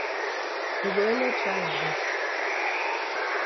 We go ele try wa best.